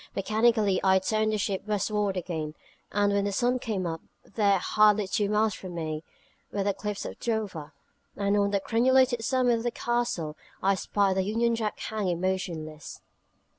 Mechanically I turned the ship westward again; and when the sun came up, there, hardly two miles from me, were the cliffs of Dover; and on the crenulated summit of the Castle I spied the Union Jack hang motionless.